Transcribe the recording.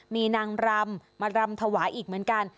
มีนางรำมารำถวายอีกเหมือนกัน